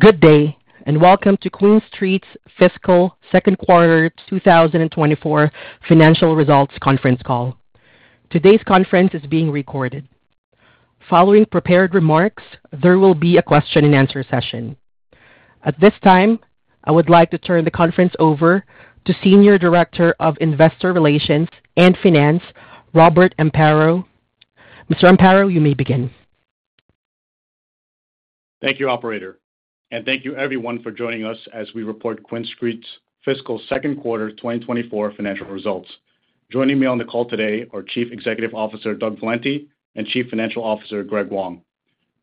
Good day, and welcome to QuinStreet's Fiscal Second Quarter 2024 Financial Results Conference Call. Today's conference is being recorded. Following prepared remarks, there will be a question-and-answer session. At this time, I would like to turn the conference over to Senior Director of Investor Relations and Finance, Robert Amparo. Mr. Amparo, you may begin. Thank you, operator, and thank you everyone for joining us as we report QuinStreet's fiscal second quarter 2024 financial results. Joining me on the call today are Chief Executive Officer, Doug Valenti, and Chief Financial Officer, Greg Wong.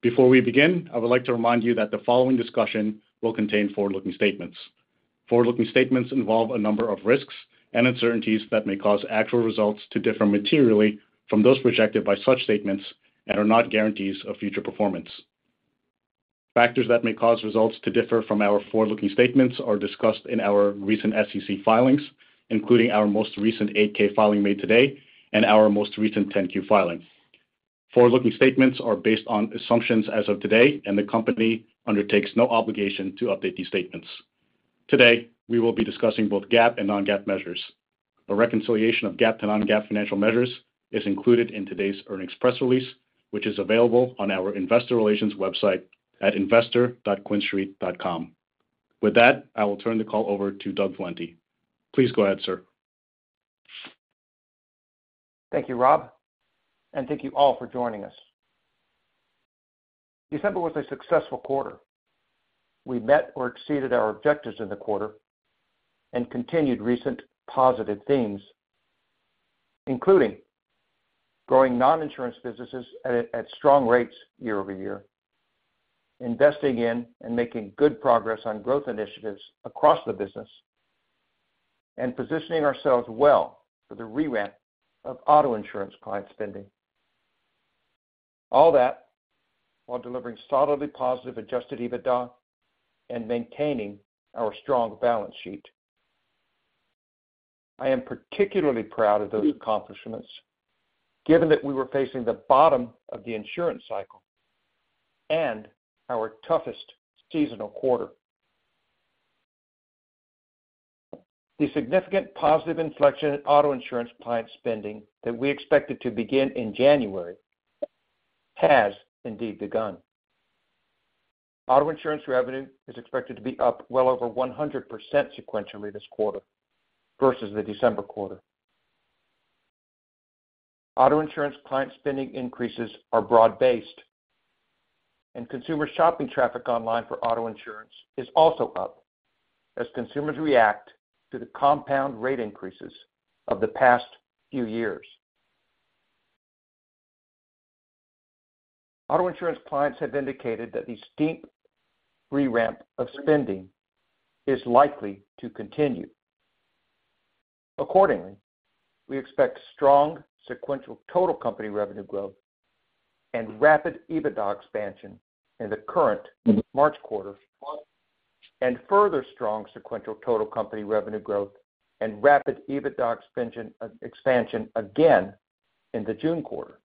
Before we begin, I would like to remind you that the following discussion will contain forward-looking statements. Forward-looking statements involve a number of risks and uncertainties that may cause actual results to differ materially from those projected by such statements and are not guarantees of future performance. Factors that may cause results to differ from our forward-looking statements are discussed in our recent SEC filings, including our most recent 8-K filing made today and our most recent 10-Q filing. Forward-looking statements are based on assumptions as of today, and the company undertakes no obligation to update these statements. Today, we will be discussing both GAAP and non-GAAP measures. A reconciliation of GAAP to non-GAAP financial measures is included in today's earnings press release, which is available on our investor relations website at investor.quinstreet.com. With that, I will turn the call over to Doug Valenti. Please go ahead, sir. Thank you, Rob, and thank you all for joining us. December was a successful quarter. We met or exceeded our objectives in the quarter and continued recent positive themes, including growing non-insurance businesses at strong rates year-over-year, investing in and making good progress on growth initiatives across the business, and positioning ourselves well for the re-ramp of auto insurance client spending. All that while delivering solidly positive Adjusted EBITDA and maintaining our strong balance sheet. I am particularly proud of those accomplishments, given that we were facing the bottom of the insurance cycle and our toughest seasonal quarter. The significant positive inflection in auto insurance client spending that we expected to begin in January has indeed begun. Auto insurance revenue is expected to be up well over 100% sequentially this quarter versus the December quarter. Auto insurance client spending increases are broad-based, and consumer shopping traffic online for auto insurance is also up as consumers react to the compound rate increases of the past few years. Auto insurance clients have indicated that the steep re-ramp of spending is likely to continue. Accordingly, we expect strong sequential total company revenue growth and rapid EBITDA expansion in the current March quarter, and further strong sequential total company revenue growth and rapid EBITDA expansion, expansion again in the June quarter.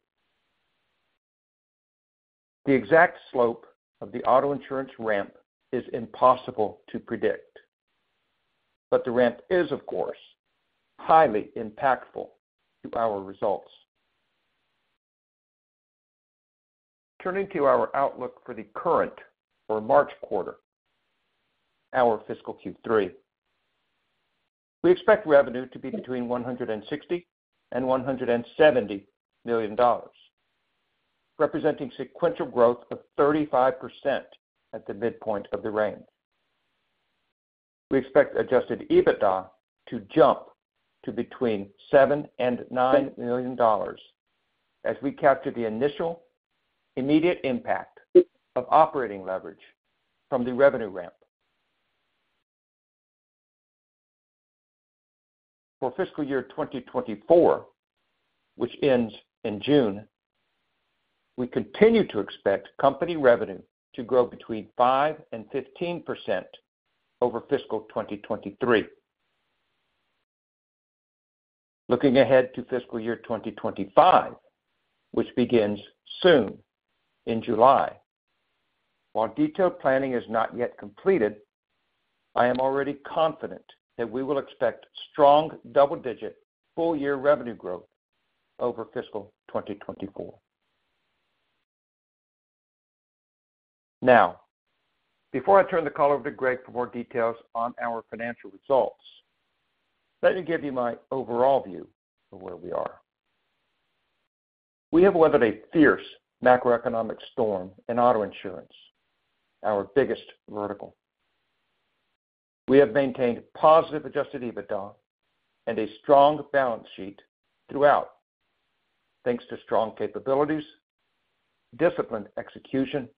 The exact slope of the auto insurance ramp is impossible to predict, but the ramp is, of course, highly impactful to our results. Turning to our outlook for the current or March quarter, our fiscal Q3, we expect revenue to be between $160 million and $170 million, representing sequential growth of 35% at the midpoint of the range. We expect Adjusted EBITDA to jump to between $7 million and $9 million as we capture the initial immediate impact of operating leverage from the revenue ramp. For fiscal year 2024, which ends in June, we continue to expect company revenue to grow between 5% and 15% over fiscal year 2023. Looking ahead to fiscal year 2025, which begins soon in July, while detailed planning is not yet completed, I am already confident that we will expect strong, double-digit, full-year revenue growth over fiscal year 2024. Now, before I turn the call over to Greg for more details on our financial results, let me give you my overall view of where we are. We have weathered a fierce macroeconomic storm in auto insurance, our biggest vertical. We have maintained positive Adjusted EBITDA and a strong balance sheet throughout, thanks to strong capabilities, disciplined execution,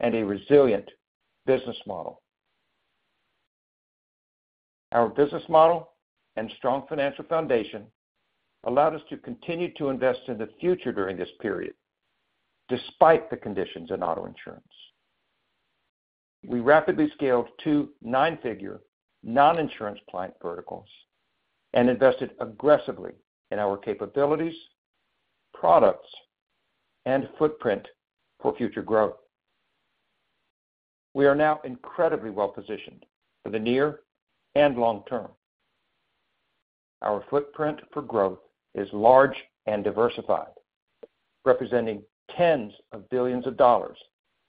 and a resilient business model. Our business model and strong financial foundation allowed us to continue to invest in the future during this period, despite the conditions in auto insurance. We rapidly scaled two 9-figure non-insurance client verticals and invested aggressively in our capabilities products and footprint for future growth. We are now incredibly well-positioned for the near and long term. Our footprint for growth is large and diversified, representing tens of billions of dollars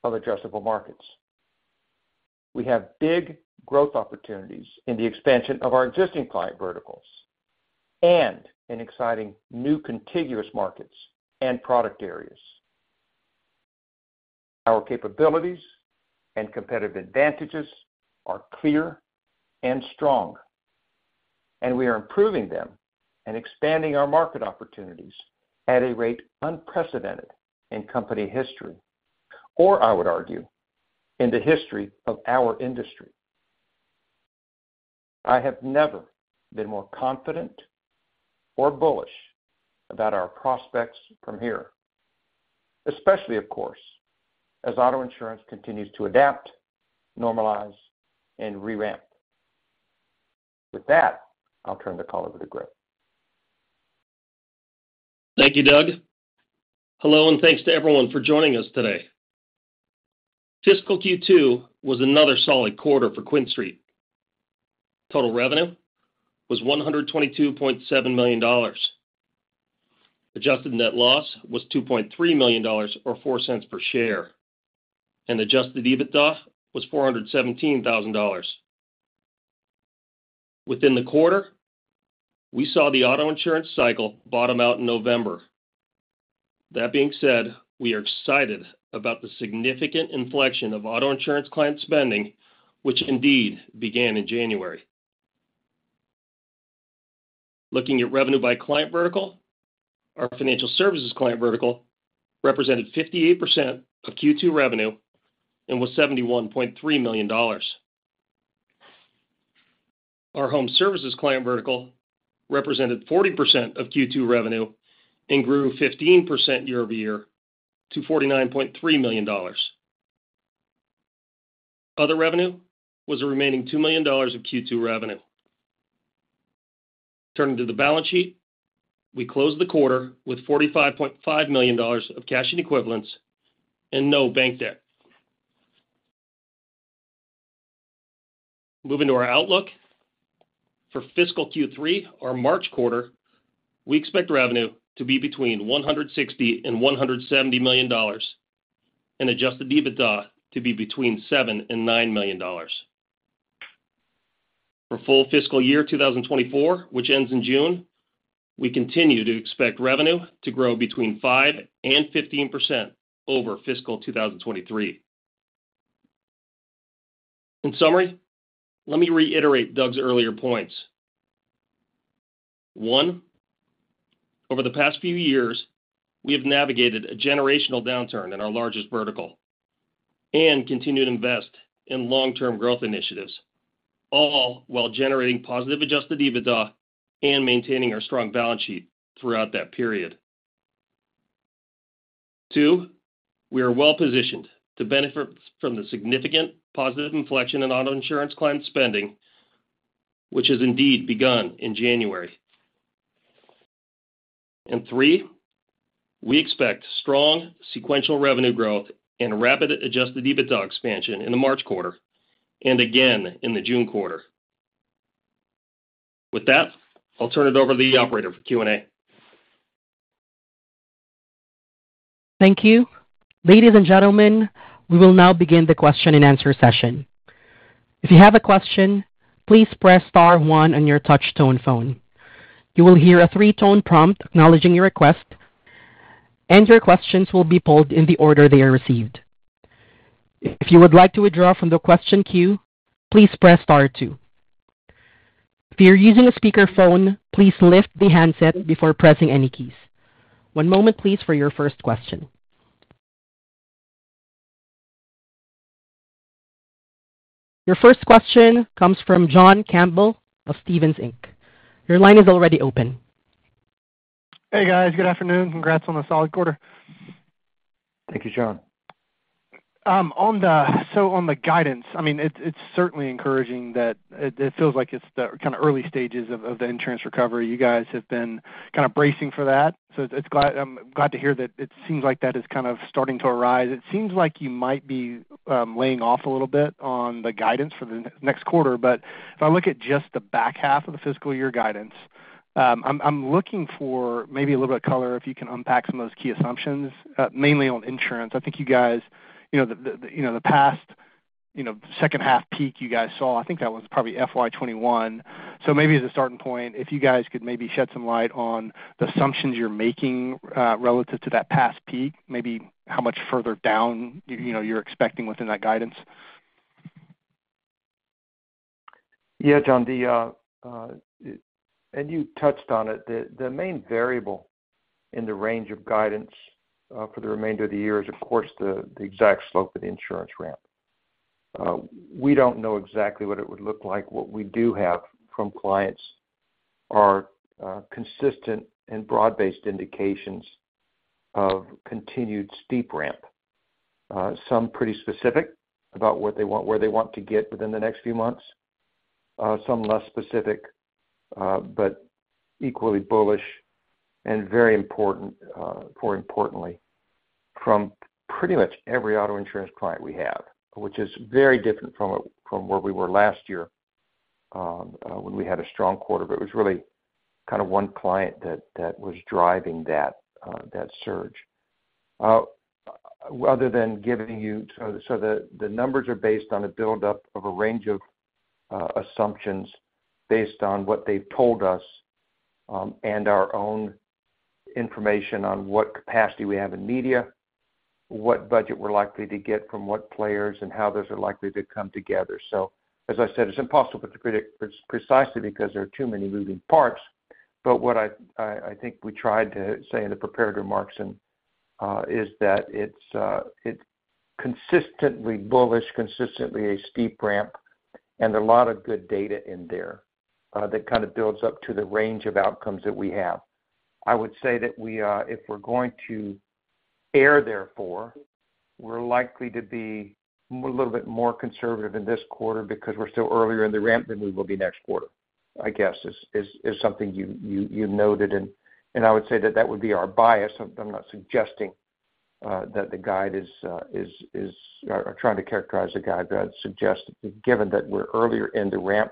of addressable markets. We have big growth opportunities in the expansion of our existing client verticals and in exciting new contiguous markets and product areas. Our capabilities and competitive advantages are clear and strong, and we are improving them and expanding our market opportunities at a rate unprecedented in company history, or I would argue, in the history of our industry. I have never been more confident or bullish about our prospects from here, especially, of course, as auto insurance continues to adapt, normalize, and re-ramp. With that, I'll turn the call over to Greg. Thank you, Doug. Hello, and thanks to everyone for joining us today. Fiscal Q2 was another solid quarter for QuinStreet. Total revenue was $122.7 million. Adjusted Net Loss was $2.3 million or $0.04 per share, and adjusted EBITDA was $417 thousand. Within the quarter, we saw the auto insurance cycle bottom out in November. That being said, we are excited about the significant inflection of auto insurance client spending, which indeed began in January. Looking at revenue by client vertical, our Financial Services client vertical represented 58% of Q2 revenue and was $71.3 million. Our Home Services client vertical represented 40% of Q2 revenue and grew 15% year-over-year to $49.3 million. Other revenue was the remaining $2 million of Q2 revenue. Turning to the balance sheet, we closed the quarter with $45.5 million of cash and equivalents and no bank debt. Moving to our outlook. For fiscal Q3 or March quarter, we expect revenue to be between $160 million and $170 million, and Adjusted EBITDA to be between $7 million and $9 million. For full fiscal year 2024, which ends in June, we continue to expect revenue to grow between 5% and 15% over fiscal year 2023. In summary, let me reiterate Doug's earlier points. One, over the past few years, we have navigated a generational downturn in our largest vertical and continued to invest in long-term growth initiatives, all while generating positive Adjusted EBITDA and maintaining our strong balance sheet throughout that period. 2, we are well positioned to benefit from the significant positive inflection in auto insurance client spending, which has indeed begun in January. 3, we expect strong sequential revenue growth and rapid Adjusted EBITDA expansion in the March quarter and again in the June quarter. With that, I'll turn it over to the operator for Q&A. Thank you. Ladies and gentlemen, we will now begin the question-and-answer session. If you have a question, please press star one on your touch tone phone. You will hear a three-tone prompt acknowledging your request, and your questions will be pulled in the order they are received. If you would like to withdraw from the question queue, please press star two. If you're using a speakerphone, please lift the handset before pressing any keys. One moment, please, for your first question. Your first question comes from John Campbell of Stephens Inc. Your line is already open. Hey, guys. Good afternoon. Congrats on the solid quarter. Thank you, John. So on the guidance, I mean, it's certainly encouraging that it feels like it's the kind of early stages of the insurance recovery. You guys have been kind of bracing for that, so I'm glad to hear that it seems like that is kind of starting to arise. It seems like you might be laying off a little bit on the guidance for the next quarter, but if I look at just the back half of the fiscal year guidance, I'm looking for maybe a little bit of color, if you can unpack some of those key assumptions, mainly on insurance. I think you guys, you know, the past second half peak you guys saw, I think that was probably FY 2021. Maybe as a starting point, if you guys could maybe shed some light on the assumptions you're making relative to that past peak, maybe how much further down you know you're expecting within that guidance? Yeah, John, and you touched on it. The main variable in the range of guidance for the remainder of the year is, of course, the exact slope of the insurance ramp. We don't know exactly what it would look like. What we do have from clients are consistent and broad-based indications of continued steep ramp. Some pretty specific about what they want, where they want to get within the next few months.... some less specific, but equally bullish and very important, more importantly, from pretty much every auto insurance client we have, which is very different from where we were last year, when we had a strong quarter. But it was really kind of one client that was driving that surge. Rather than giving you, so the numbers are based on a buildup of a range of assumptions based on what they've told us, and our own information on what capacity we have in media, what budget we're likely to get from what players, and how those are likely to come together. So as I said, it's impossible to predict precisely because there are too many moving parts. But what I think we tried to say in the prepared remarks and is that it's consistently bullish, consistently a steep ramp, and a lot of good data in there that kind of builds up to the range of outcomes that we have. I would say that we, if we're going to err, therefore, we're likely to be a little bit more conservative in this quarter because we're still earlier in the ramp than we will be next quarter, I guess, is something you noted. And I would say that that would be our bias. I'm not suggesting that the guide is or trying to characterize the guide, but I'd suggest, given that we're earlier in the ramp,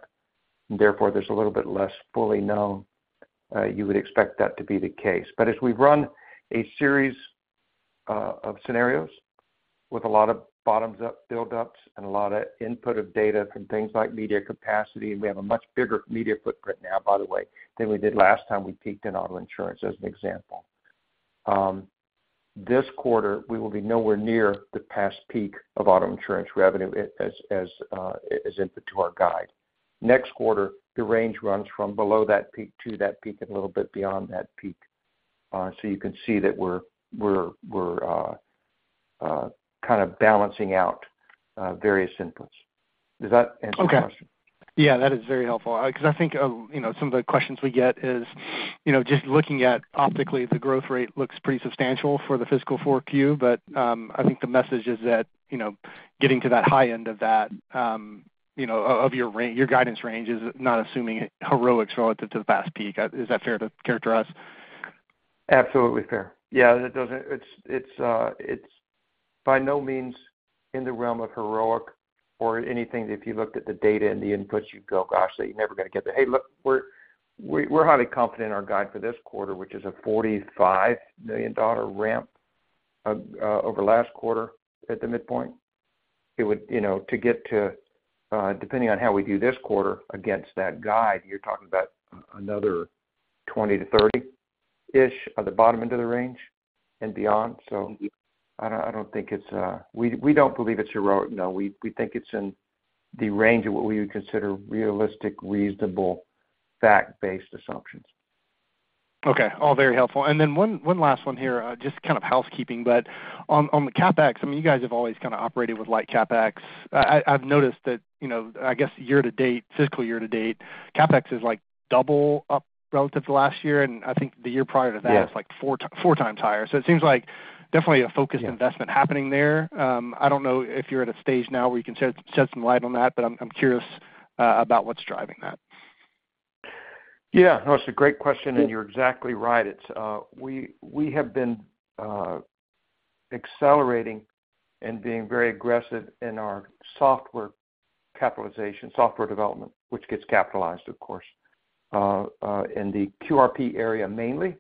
therefore there's a little bit less fully known, you would expect that to be the case. But as we've run a series of scenarios with a lot of bottoms-up buildups and a lot of input of data from things like media capacity, and we have a much bigger media footprint now, by the way, than we did last time we peaked in auto insurance, as an example. This quarter, we will be nowhere near the past peak of auto insurance revenue as input to our guide. Next quarter, the range runs from below that peak to that peak and a little bit beyond that peak. So you can see that we're kind of balancing out various inputs. Does that answer your question? Okay. Yeah, that is very helpful, because I think, you know, some of the questions we get is, you know, just looking at optically, the growth rate looks pretty substantial for the fiscal 4Q. But, I think the message is that, you know, getting to that high end of that, you know, of, of your range, your guidance range is not assuming heroics relative to the past peak. Is that fair to characterize? Absolutely fair. Yeah, it doesn't—it's, it's, it's by no means in the realm of heroic or anything, if you looked at the data and the inputs, you'd go, "Gosh, they're never gonna get there." Hey, look, we're, we, we're highly confident in our guide for this quarter, which is a $45 million ramp over last quarter at the midpoint. It would, you know, to get to, depending on how we do this quarter against that guide, you're talking about another $20 million-$30 million-ish at the bottom end of the range and beyond. So I don't, I don't think it's, we, we don't believe it's heroic. No, we, we think it's in the range of what we would consider realistic, reasonable, fact-based assumptions. Okay. All very helpful. And then one last one here, just kind of housekeeping, but on the CapEx, I mean, you guys have always kind of operated with light CapEx. I've noticed that, you know, I guess year to date, fiscal year to date, CapEx is like double up relative to last year, and I think the year prior to that- Yeah. It's like 4, 4 times higher. So it seems like definitely a focused investment happening there. I don't know if you're at a stage now where you can shed some light on that, but I'm curious about what's driving that. Yeah, no, it's a great question, and you're exactly right. It's, we, we have been accelerating and being very aggressive in our software capitalization, software development, which gets capitalized, of course, in the QRP area, mainly,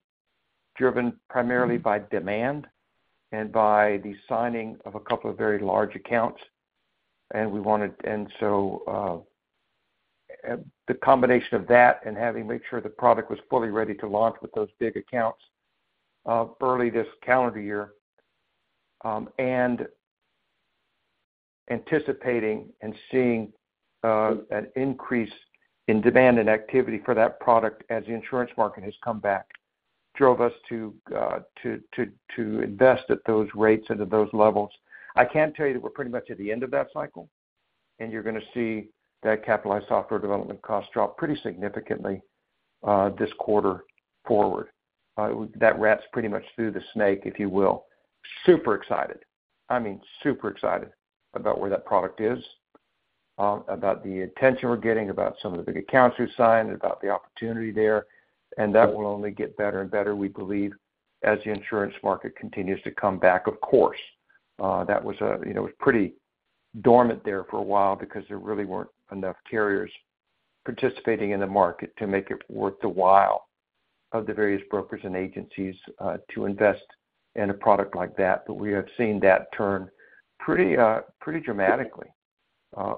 driven primarily by demand and by the signing of a couple of very large accounts. And we wanted and so, the combination of that and having made sure the product was fully ready to launch with those big accounts, early this calendar year, and anticipating and seeing, an increase in demand and activity for that product as the insurance market has come back, drove us to invest at those rates and at those levels. I can tell you that we're pretty much at the end of that cycle, and you're gonna see that capitalized software development cost drop pretty significantly, this quarter forward. That rats pretty much through the snake, if you will. Super excited. I mean, super excited about where that product is, about the attention we're getting, about some of the big accounts we've signed, about the opportunity there, and that will only get better and better, we believe, as the insurance market continues to come back, of course. That was, you know, it was pretty dormant there for a while because there really weren't enough carriers participating in the market to make it worth the while of the various brokers and agencies, to invest in a product like that. But we have seen that turn pretty, pretty dramatically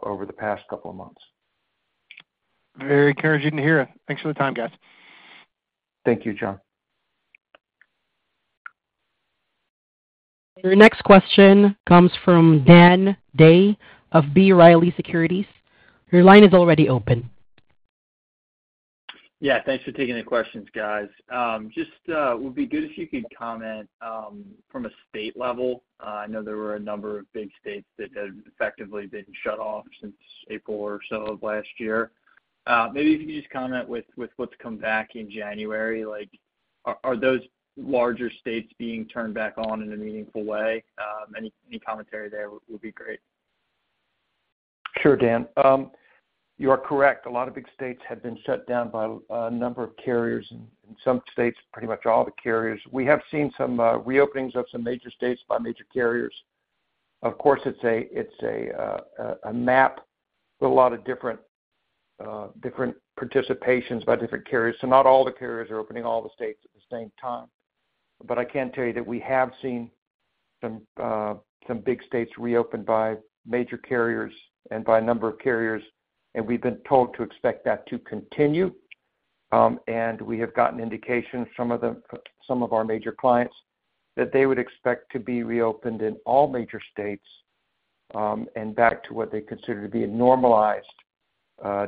over the past couple of months. Very encouraging to hear. Thanks for the time, guys. Thank you, John. Your next question comes from Dan Day of B. Riley Securities. Your line is already open. Yeah, thanks for taking the questions, guys. Just would be good if you could comment from a state level. I know there were a number of big states that had effectively been shut off since April or so of last year. Maybe if you could just comment with what's come back in January. Are those larger states being turned back on in a meaningful way? Any commentary there would be great. Sure, Dan. You are correct. A lot of big states have been shut down by a number of carriers, and in some states, pretty much all the carriers. We have seen some reopenings of some major states by major carriers. Of course, it's a map with a lot of different participations by different carriers. So not all the carriers are opening all the states at the same time. But I can tell you that we have seen some big states reopened by major carriers and by a number of carriers, and we've been told to expect that to continue. We have gotten indications, some of them, some of our major clients, that they would expect to be reopened in all major states, and back to what they consider to be a normalized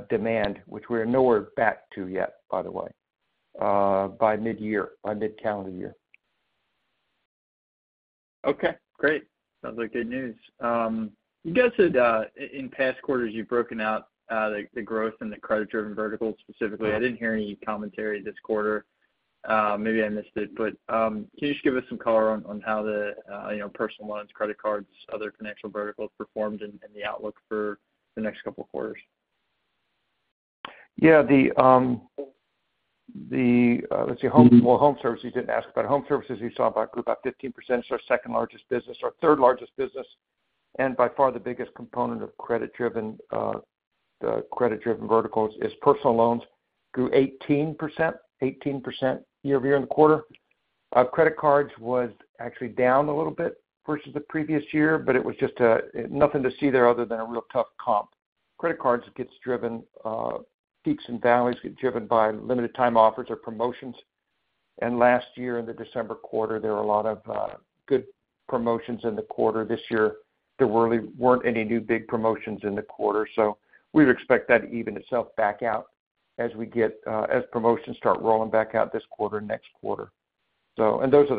demand, which we're nowhere back to yet, by the way, by midyear, by mid-calendar year. Okay, great. Sounds like good news. You guys said in past quarters, you've broken out the growth in the credit-driven verticals specifically. I didn't hear any commentary this quarter. Maybe I missed it, but can you just give us some color on how the you know, personal loans, credit cards, other financial verticals performed and the outlook for the next couple of quarters? Yeah, Home Services, you didn't ask about Home Services. You saw about grew about 15%. It's our second largest business, our third largest business, and by far the biggest component of credit-driven, the credit-driven verticals, is personal loans, grew 18%. 18% year-over-year in the quarter. Credit cards was actually down a little bit versus the previous year, but it was just a, nothing to see there other than a real tough comp. Credit cards gets driven, peaks and valleys, get driven by limited time offers or promotions. And last year, in the December quarter, there were a lot of good promotions in the quarter. This year, there really weren't any new big promotions in the quarter, so we would expect that to even itself back out as we get, as promotions start rolling back out this quarter, next quarter. So, and those are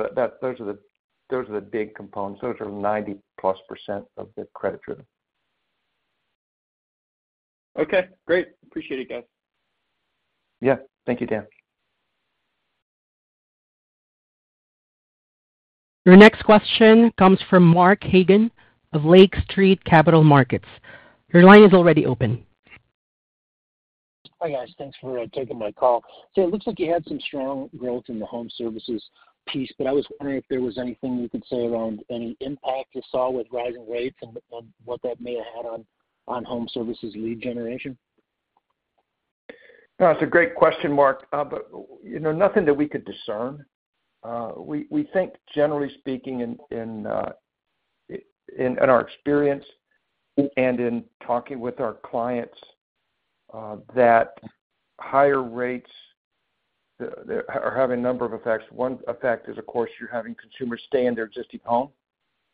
the big components. Those are 90%+ of the credit-driven. Okay, great. Appreciate it, guys. Yeah. Thank you, Dan. Your next question comes from Mark Argento of Lake Street Capital Markets. Your line is already open. Hi, guys. Thanks for taking my call. So it looks like you had some strong growth in the Home Services piece, but I was wondering if there was anything you could say around any impact you saw with rising rates and what that may have had on Home Services lead generation. No, it's a great question, Mark. But, you know, nothing that we could discern. We think, generally speaking, in our experience and in talking with our clients, that higher rates, they're having a number of effects. One effect is, of course, you're having consumers stay in their existing home,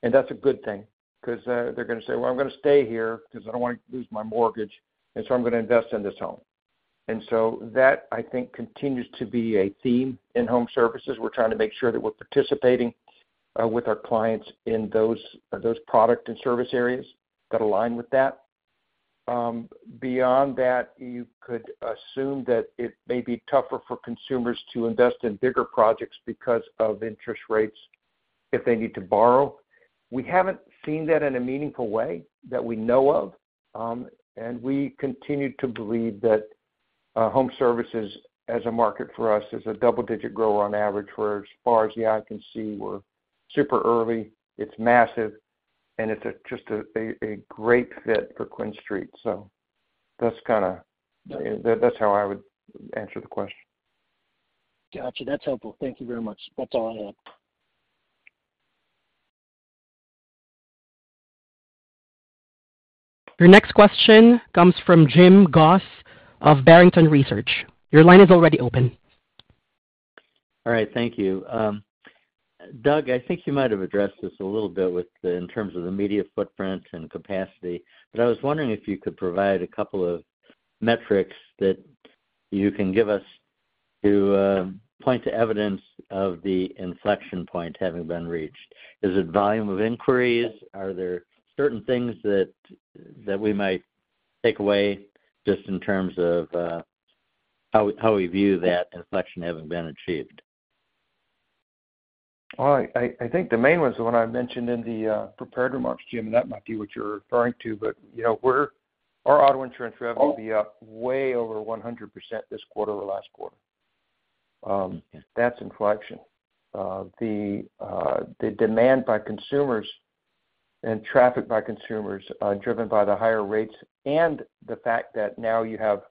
and that's a good thing because, they're gonna say, "Well, I'm gonna stay here because I don't want to lose my mortgage, and so I'm gonna invest in this home." And so that, I think, continues to be a theme in Home Services. We're trying to make sure that we're participating, with our clients in those product and service areas that align with that. Beyond that, you could assume that it may be tougher for consumers to invest in bigger projects because of interest rates if they need to borrow. We haven't seen that in a meaningful way that we know of, and we continue to believe that Home Services, as a market for us, is a double-digit grower on average, where, as far as the eye can see, we're super early, it's massive, and it's just a great fit for QuinStreet. So that's kind of that. That's how I would answer the question. Gotcha. That's helpful. Thank you very much. That's all I had. Your next question comes from Jim Goss of Barrington Research. Your line is already open. All right. Thank you. Doug, I think you might have addressed this a little bit with the, in terms of the media footprint and capacity, but I was wondering if you could provide a couple of metrics that you can give us to point to evidence of the inflection point having been reached. Is it volume of inquiries? Are there certain things that we might take away just in terms of how we view that inflection having been achieved? Well, I think the main ones are what I mentioned in the prepared remarks, Jim. That might be what you're referring to, but you know, we're our auto insurance revenue will be up way over 100% this quarter over last quarter. That's inflection. The demand by consumers and traffic by consumers driven by the higher rates and the fact that now you have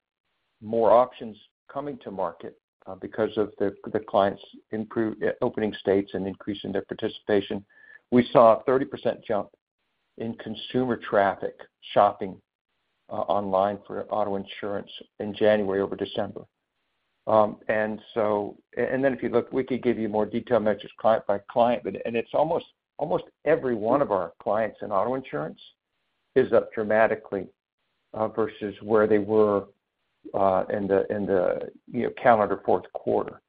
more options coming to market because of the clients opening states and increasing their participation. We saw a 30% jump in consumer traffic shopping online for auto insurance in January over December. And then if you look, we could give you more detailed metrics, client by client, but... And it's almost, almost every one of our clients in auto insurance is up dramatically, versus where they were, in the you know, calendar fourth quarter.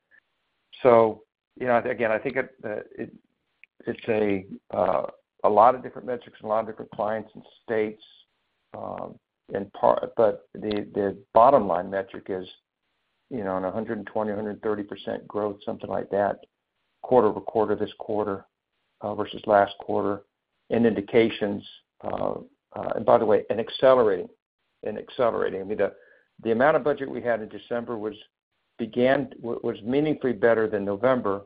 So, you know, again, I think it, it's a lot of different metrics, a lot of different clients and states, in part, but the bottom line metric is, you know, on 120-130% growth, something like that, quarter-over-quarter, this quarter, versus last quarter, and indications, and by the way, and accelerating, and accelerating. I mean, the amount of budget we had in December was meaningfully better than November.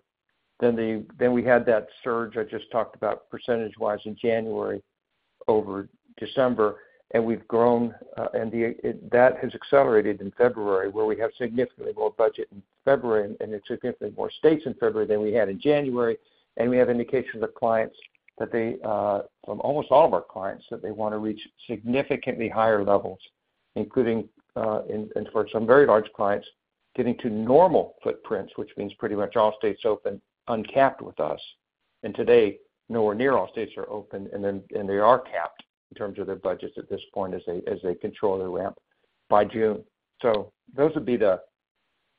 Then we had that surge I just talked about percentage-wise in January over December, and we've grown, and that has accelerated in February, where we have significantly more budget in February and in significantly more states in February than we had in January. And we have indications of clients that they from almost all of our clients, that they want to reach significantly higher levels, including and for some very large clients, getting to normal footprints, which means pretty much all states open, uncapped with us. And today, nowhere near all states are open, and they are capped in terms of their budgets at this point as they control their ramp by June. So those would be the,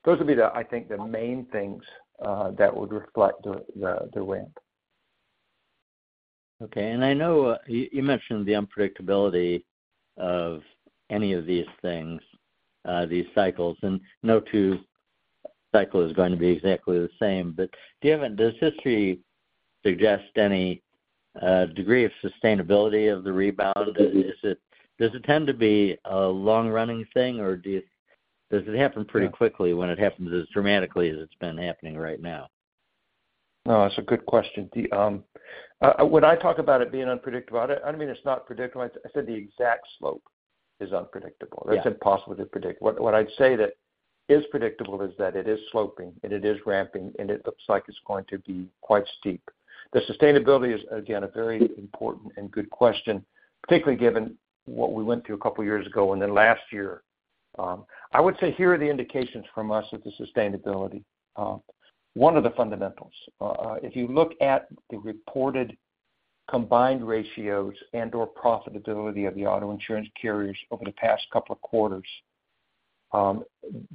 I think, the main things that would reflect the ramp. Okay. And I know you, you mentioned the unpredictability of any of these things, these cycles, and no two cycles is going to be exactly the same, but does history suggest any degree of sustainability of the rebound? Does it tend to be a long-running thing, or does it happen pretty quickly when it happens as dramatically as it's been happening right now? No, that's a good question. When I talk about it being unpredictable, I don't mean it's not predictable. I said the exact slope is unpredictable. Yeah. It's impossible to predict. What I'd say that is predictable is that it is sloping, and it is ramping, and it looks like it's going to be quite steep. The sustainability is, again, a very important and good question, particularly given what we went through a couple of years ago and then last year. I would say here are the indications from us of the sustainability. One of the fundamentals, if you look at the reported combined ratios and/or profitability of the auto insurance carriers over the past couple of quarters,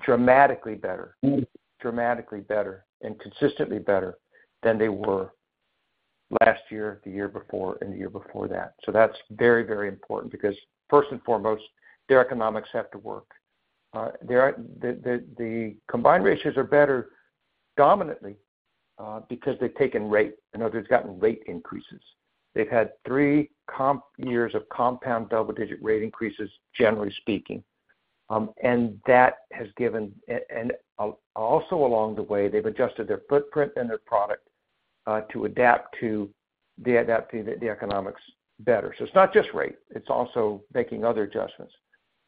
dramatically better, dramatically better and consistently better than they were last year, the year before, and the year before that. So that's very, very important because first and foremost, their economics have to work. The combined ratios are better, dominantly, because they've taken rate. In other words, they've gotten rate increases. They've had three comp years of compound double-digit rate increases, generally speaking. And that has given and also along the way, they've adjusted their footprint and their product to adapt to the adapting economics better. So it's not just rate, it's also making other adjustments.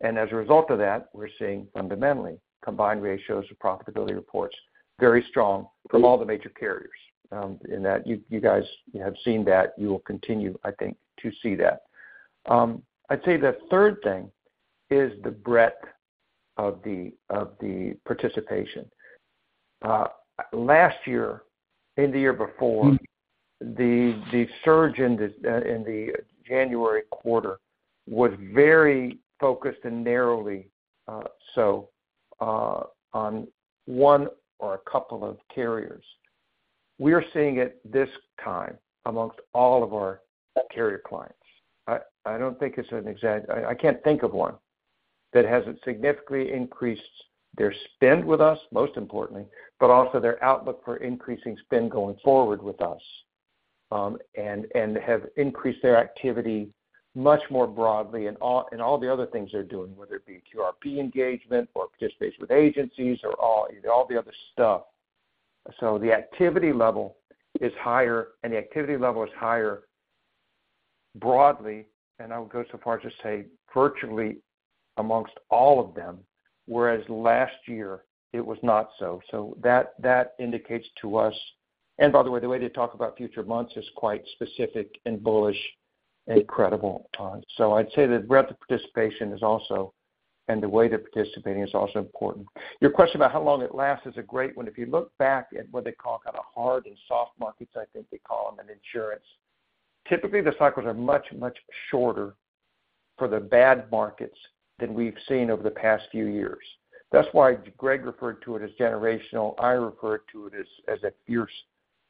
And as a result of that, we're seeing fundamentally combined ratios of profitability reports very strong from all the major carriers. And that you guys have seen that. You will continue, I think, to see that. I'd say the third thing is the breadth of the participation. Last year and the year before, the surge in the January quarter was very focused and narrowly so on one or a couple of carriers. We're seeing it this time amongst all of our carrier clients. I, I don't think it's an exact... I, I can't think of one that hasn't significantly increased their spend with us, most importantly, but also their outlook for increasing spend going forward with us, and, and have increased their activity much more broadly in all, in all the other things they're doing, whether it be QRP engagement or participation with agencies or all, all the other stuff. So the activity level is higher, and the activity level is higher broadly, and I would go so far as to say virtually amongst all of them, whereas last year it was not so. So that, that indicates to us, and by the way, the way they talk about future months is quite specific and bullish and credible, Tom. So I'd say the breadth of participation is also, and the way they're participating is also important. Your question about how long it lasts is a great one. If you look back at what they call kind of hard and soft markets, I think they call them in insurance, typically, the cycles are much, much shorter for the bad markets than we've seen over the past few years. That's why Greg referred to it as generational. I refer to it as, as a fierce,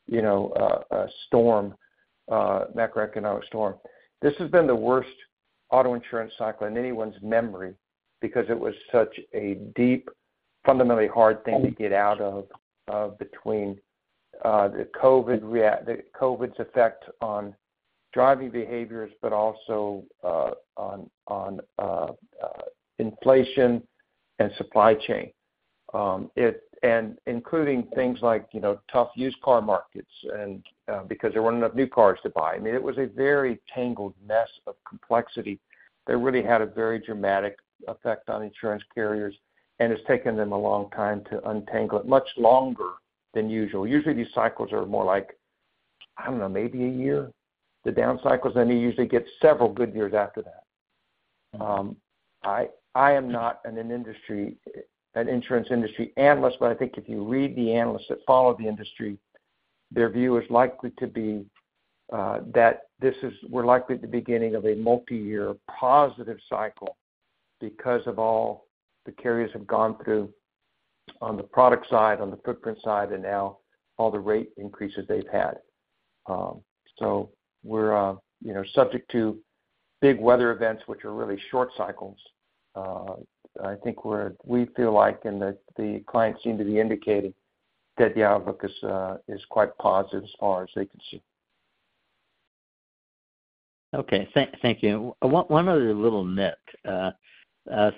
you know, a storm, macroeconomic storm. This has been the worst auto insurance cycle in anyone's memory because it was such a deep, fundamentally hard thing to get out of, between, the COVID's effect on driving behaviors, but also, on, on, inflation and supply chain. Including things like, you know, tough used car markets and because there weren't enough new cars to buy. I mean, it was a very tangled mess of complexity that really had a very dramatic effect on insurance carriers, and it's taken them a long time to untangle it, much longer than usual. Usually, these cycles are more like, I don't know, maybe a year, the down cycles, then you usually get several good years after that. I am not an insurance industry analyst, but I think if you read the analysts that follow the industry, their view is likely to be that this is, we're likely at the beginning of a multi-year positive cycle because of all the carriers have gone through... on the product side, on the footprint side, and now all the rate increases they've had. So we're, you know, subject to big weather events, which are really short cycles. I think we feel like, and the clients seem to be indicating that the outlook is quite positive as far as they can see. Okay. Thank you. One other little nit.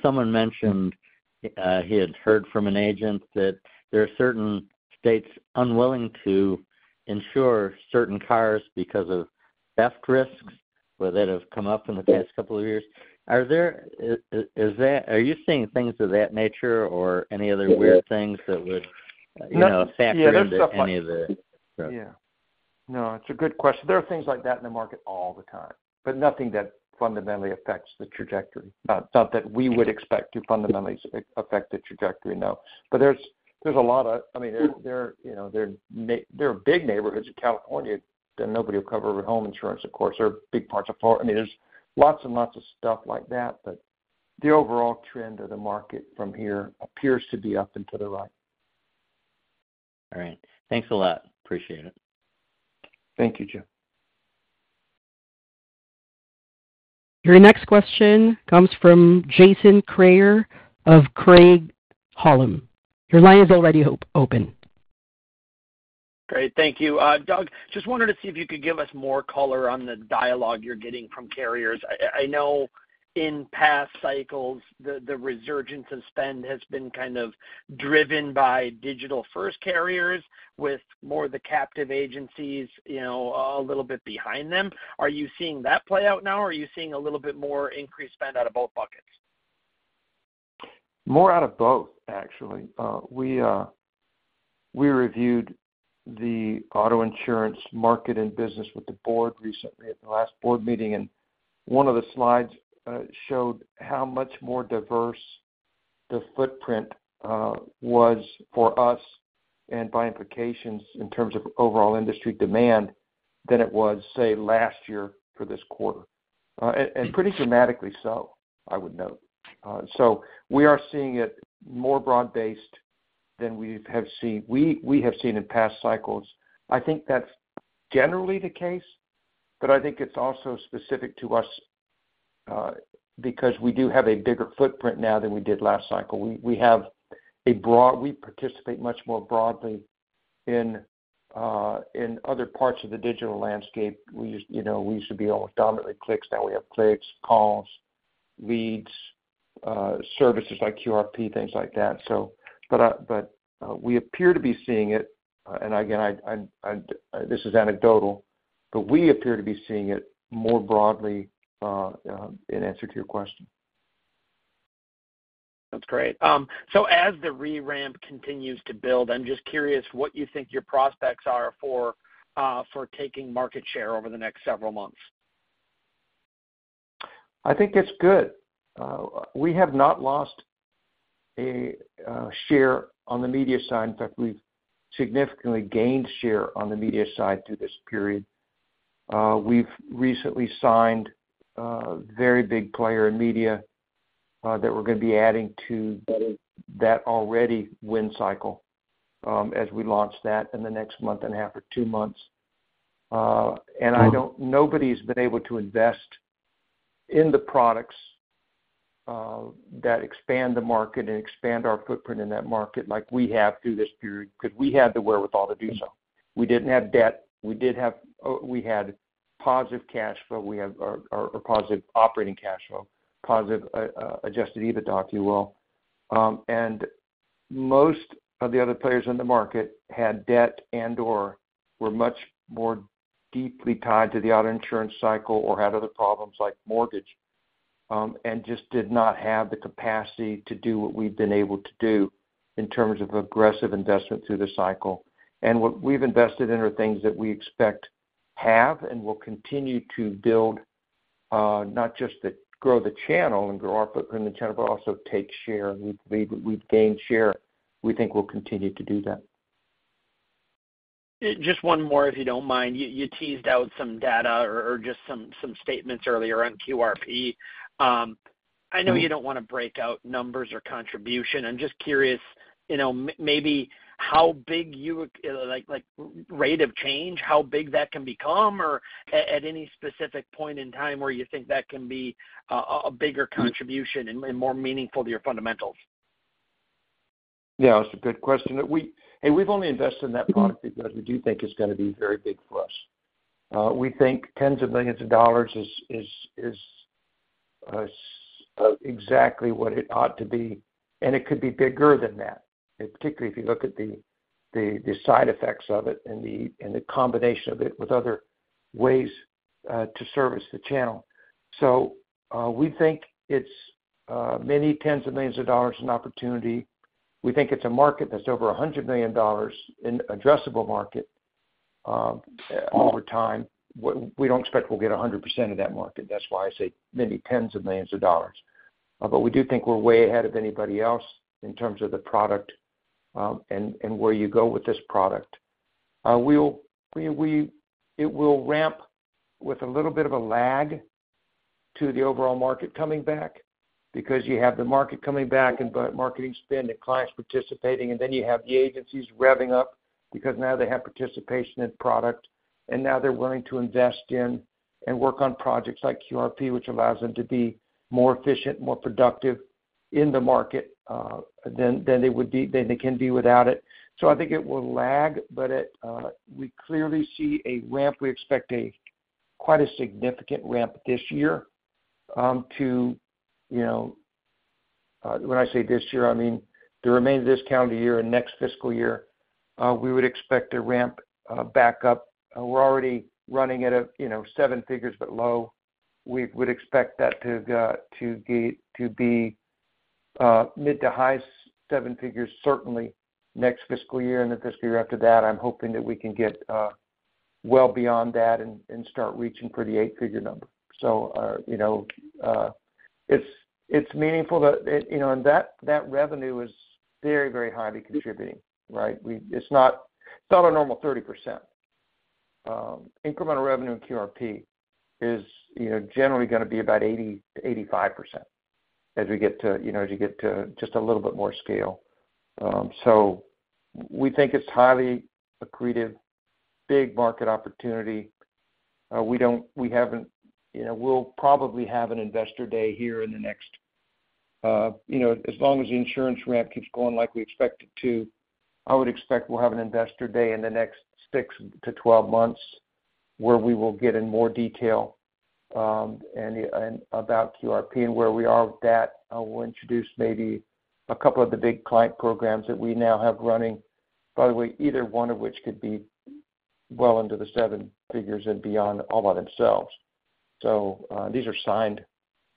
Someone mentioned he had heard from an agent that there are certain states unwilling to insure certain cars because of theft risks, well, that have come up in the past couple of years. Are there— is that, are you seeing things of that nature or any other weird things that would, you know, factor into any of the- Yeah. No, it's a good question. There are things like that in the market all the time, but nothing that fundamentally affects the trajectory. Not that we would expect to fundamentally affect the trajectory, no. But there's a lot of... I mean, you know, there are big neighborhoods in California that nobody will cover home insurance, of course. There are big parts of Florida—I mean, there's lots and lots of stuff like that, but the overall trend of the market from here appears to be up and to the right. All right. Thanks a lot. Appreciate it. Thank you, Jim. Your next question comes from Jason Kreyer of Craig-Hallum. Your line is already open. Great, thank you. Doug, just wanted to see if you could give us more color on the dialogue you're getting from carriers. I know in past cycles, the resurgence in spend has been kind of driven by digital-first carriers with more of the captive agencies, you know, a little bit behind them. Are you seeing that play out now, or are you seeing a little bit more increased spend out of both buckets? More out of both, actually. We reviewed the auto insurance market and business with the board recently at the last board meeting, and one of the slides showed how much more diverse the footprint was for us and by implications, in terms of overall industry demand, than it was, say, last year for this quarter. And pretty dramatically so, I would note. So we are seeing it more broad-based than we have seen in past cycles. I think that's generally the case, but I think it's also specific to us, because we do have a bigger footprint now than we did last cycle. We participate much more broadly in other parts of the digital landscape. You know, we used to be all dominantly clicks. Now we have clicks, calls, leads, services like QRP, things like that, so. But, we appear to be seeing it, and again, I, this is anecdotal, but we appear to be seeing it more broadly, in answer to your question. That's great. So as the re-ramp continues to build, I'm just curious what you think your prospects are for taking market share over the next several months? I think it's good. We have not lost a share on the media side. In fact, we've significantly gained share on the media side through this period. We've recently signed a very big player in media that we're going to be adding to that, that already win cycle, as we launch that in the next month and a half or two months. And nobody's been able to invest in the products that expand the market and expand our footprint in that market like we have through this period, because we had the wherewithal to do so. We didn't have debt, we did have, we had positive cash flow. We have a positive operating cash flow, positive adjusted EBITDA, if you will. Most of the other players in the market had debt and/or were much more deeply tied to the auto insurance cycle or had other problems like mortgage, and just did not have the capacity to do what we've been able to do in terms of aggressive investment through the cycle. What we've invested in are things that we expect have and will continue to build, not just to grow the channel and grow our footprint in the channel, but also take share. We've gained share. We think we'll continue to do that. Just one more, if you don't mind. You teased out some data or just some statements earlier on QRP. I know you don't want to break out numbers or contribution. I'm just curious, you know, maybe how big you would... Like, rate of change, how big that can become or at any specific point in time where you think that can be a bigger contribution and more meaningful to your fundamentals? Yeah, that's a good question. We've only invested in that product because we do think it's going to be very big for us. We think tens of millions of dollars is exactly what it ought to be, and it could be bigger than that, particularly if you look at the side effects of it and the combination of it with other ways to service the channel. So, we think it's many tens of millions of dollars in opportunity. We think it's a market that's over $100 million in addressable market, over time. We don't expect we'll get 100% of that market. That's why I say many tens of millions of dollars. But we do think we're way ahead of anybody else in terms of the product, and where you go with this product. We will. It will ramp with a little bit of a lag to the overall market coming back, because you have the market coming back and but marketing spend and clients participating, and then you have the agencies revving up because now they have participation in product, and now they're willing to invest in and work on projects like QRP, which allows them to be more efficient, more productive in the market, than they would be, than they can be without it. So I think it will lag, but it, we clearly see a ramp. We expect a quite a significant ramp this year, to, you know, when I say this year, I mean, the remainder of this calendar year and next fiscal year, we would expect to ramp, back up. We're already running at a, you know, seven figures but low. We would expect that to, to get, to be, mid to high seven figures, certainly next fiscal year and the fiscal year after that. I'm hoping that we can get, well beyond that and, and start reaching for the eight-figure number. So, you know, it's, it's meaningful that, it, you know, and that, that revenue is very, very highly contributing, right? We-- It's not, it's not a normal 30%. Incremental revenue in QRP is, you know, generally gonna be about 80%-85% as we get to, you know, as you get to just a little bit more scale. So we think it's highly accretive, big market opportunity. We don't, we haven't, you know, we'll probably have an investor day here in the next, you know, as long as the insurance ramp keeps going like we expect it to, I would expect we'll have an investor day in the next 6-12 months, where we will get in more detail, and, and about QRP and where we are with that. We'll introduce maybe a couple of the big client programs that we now have running, by the way, either one of which could be well into the seven figures and beyond, all by themselves. So, these are signed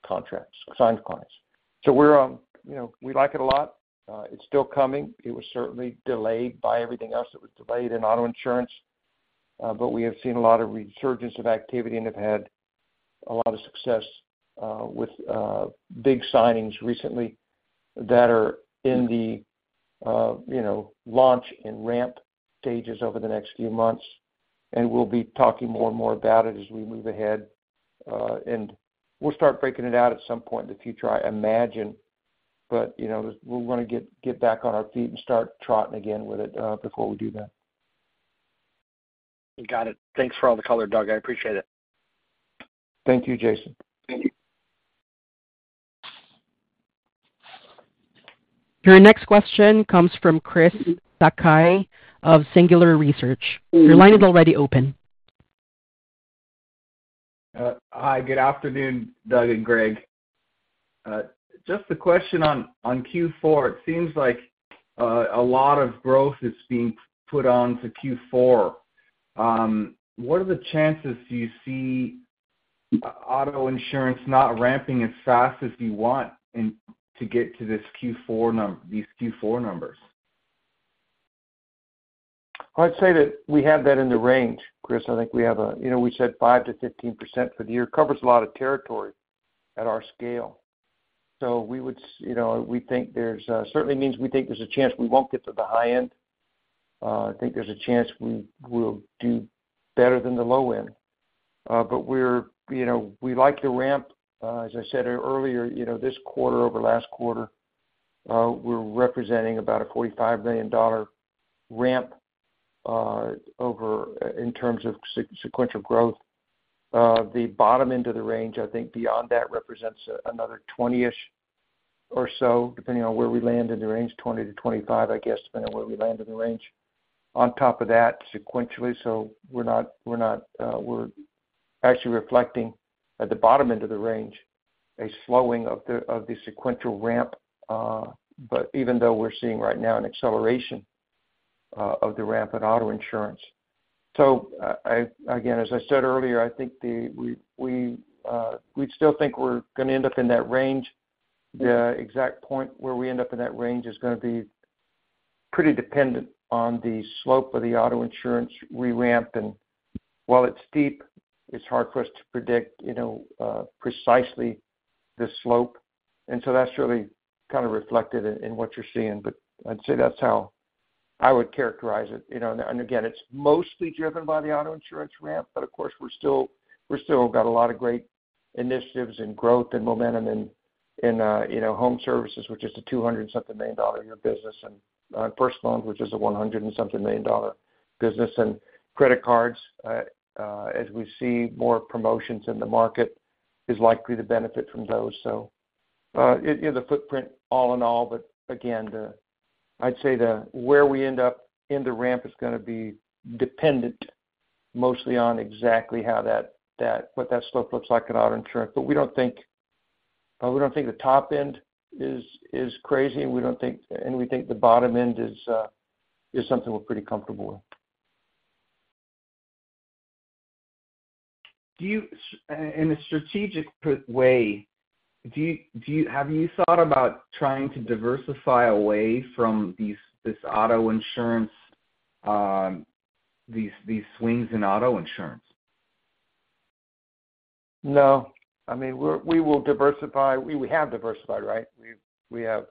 contracts, signed clients. So we're, you know, we like it a lot. It's still coming. It was certainly delayed by everything else that was delayed in auto insurance, but we have seen a lot of resurgence of activity and have had a lot of success, with big signings recently that are in the, you know, launch and ramp stages over the next few months. And we'll be talking more and more about it as we move ahead. And we'll start breaking it out at some point in the future, I imagine. But, you know, we want to get, get back on our feet and start trotting again with it, before we do that. Got it. Thanks for all the color, Doug. I appreciate it. Thank you, Jason. Thank you. Your next question comes from Chris Sakai of Singular Research. Your line is already open. Hi, good afternoon, Doug and Greg. Just a question on, on Q4. It seems like a lot of growth is being put on to Q4. What are the chances do you see auto insurance not ramping as fast as you want and to get to these Q4 numbers? Well, I'd say that we have that in the range, Chris. I think we have a, you know, we said 5%-15% for the year, covers a lot of territory at our scale. So we would, you know, we think there's, certainly means we think there's a chance we won't get to the high end. I think there's a chance we will do better than the low end. But we're, you know, we like the ramp. As I said earlier, you know, this quarter over last quarter, we're representing about a $45 million ramp, over in terms of sequential growth. The bottom end of the range, I think beyond that, represents another 20-ish or so, depending on where we land in the range, 20-25, I guess, depending on where we land in the range. On top of that, sequentially, so we're not, we're not, we're actually reflecting at the bottom end of the range, a slowing of the sequential ramp, but even though we're seeing right now an acceleration of the ramp in auto insurance. So, I, again, as I said earlier, I think the we, we still think we're gonna end up in that range. The exact point where we end up in that range is gonna be pretty dependent on the slope of the auto insurance re-ramp. And while it's steep, it's hard for us to predict, you know, precisely the slope. And so that's really kind of reflected in what you're seeing, but I'd say that's how I would characterize it. You know, and again, it's mostly driven by the auto insurance ramp, but of course, we're still got a lot of great initiatives and growth and momentum in, in, you know, home services, which is a $200+ million a year business, and, personal loans, which is a $100+ million business. And credit cards, as we see more promotions in the market, is likely to benefit from those. So, in the footprint, all in all, but again, the, I'd say the, where we end up in the ramp is gonna be dependent mostly on exactly how that what that slope looks like in auto insurance. But we don't think, we don't think the top end is crazy, and we don't think... We think the bottom end is something we're pretty comfortable with. Do you, in a strategic way, do you, do you, have you thought about trying to diversify away from these, this auto insurance, these, these swings in auto insurance? No. I mean, we will diversify. We have diversified, right? We have.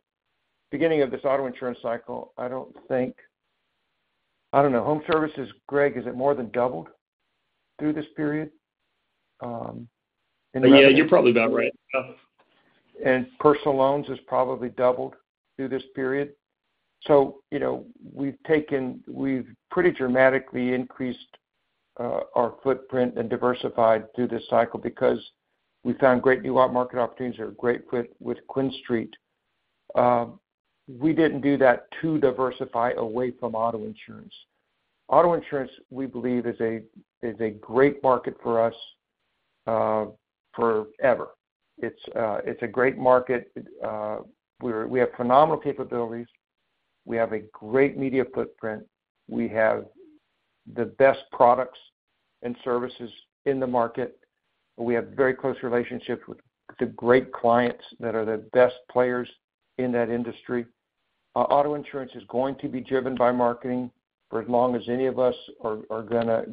Beginning of this auto insurance cycle, I don't know. Home services, Greg, is it more than doubled through this period? Yeah, you're probably about right. Yeah. Personal loans has probably doubled through this period. So, you know, we've pretty dramatically increased our footprint and diversified through this cycle because we found great new opportunity market opportunities that are great with, with QuinStreet. We didn't do that to diversify away from auto insurance. Auto insurance, we believe, is a great market for us forever. It's a great market. We're, we have phenomenal capabilities. We have a great media footprint. We have the best products and services in the market. We have very close relationships with the great clients that are the best players in that industry. Auto insurance is going to be driven by marketing for as long as any of us are gonna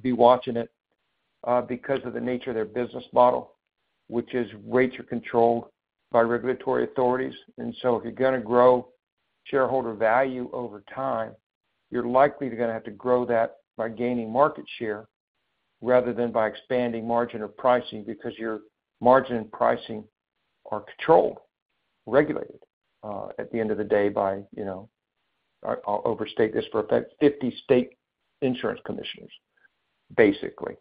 be watching it, because of the nature of their business model, which is rates are controlled by regulatory authorities. So if you're gonna grow shareholder value over time, you're likely gonna have to grow that by gaining market share, rather than by expanding margin or pricing, because your margin and pricing are controlled, regulated at the end of the day, by, you know, I'll overstate this for effect, 50 state insurance commissioners, basically.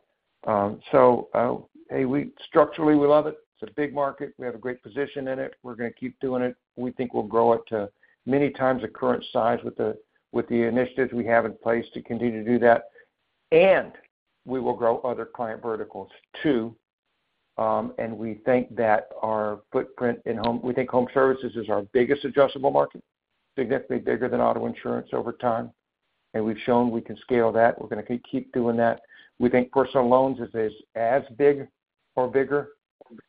So, hey, we structurally, we love it. It's a big market. We have a great position in it. We're gonna keep doing it. We think we'll grow it to many times the current size with the initiatives we have in place to continue to do that. And we will grow other client verticals, too. And we think that our footprint in Home Services is our biggest adjustable market, significantly bigger than auto insurance over time, and we've shown we can scale that. We're gonna keep doing that. We think personal loans is as big or bigger,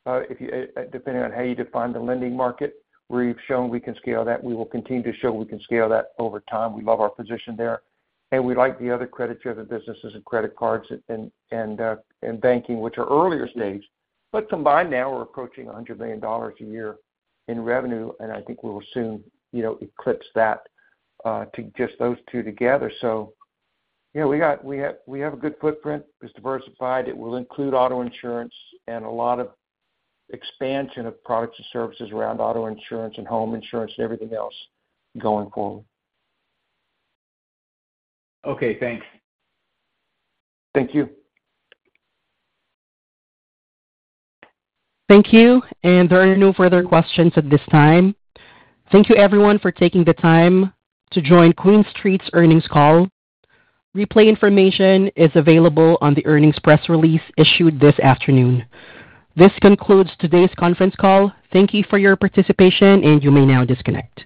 if you, depending on how you define the lending market. We've shown we can scale that. We will continue to show we can scale that over time. We love our position there, and we like the other credit to other businesses and credit cards and banking, which are earlier stages. But combined now, we're approaching $100 million a year in revenue, and I think we will soon, you know, eclipse that to just those two together. So yeah, we have a good footprint. It's diversified. It will include auto insurance and a lot of expansion of products and services around auto insurance and home insurance and everything else going forward. Okay, thanks. Thank you. Thank you, and there are no further questions at this time. Thank you everyone for taking the time to join QuinStreet's earnings call. Replay information is available on the earnings press release issued this afternoon. This concludes today's conference call. Thank you for your participation, and you may now disconnect.